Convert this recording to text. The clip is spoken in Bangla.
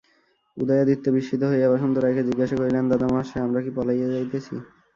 উদয়াদিত্য বিস্মিত হইয়া বসন্ত রায়কে জিজ্ঞাসা করিলেন, দাদামহাশয়, আমরা কি পলাইয়া যাইতেছি?